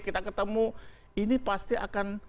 kita ketemu ini pasti akan